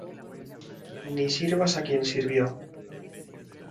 Ni sirvas a quien sirvió